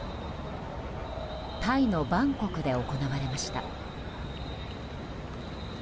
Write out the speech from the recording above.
タイのバンコクで行われました。